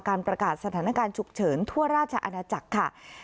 ประกาศสถานการณ์ฉุกเฉินทั่วราชอาณาจักรค่ะ